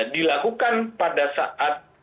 dilakukan pada saat